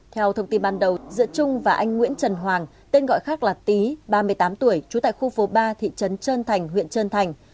theo thông tin ban đầu giữa trung và anh nguyễn trần hoàng tên gọi khác là tý ba mươi tám tuổi trú tại khu phố ba thị trấn trơn thành huyện trơn thành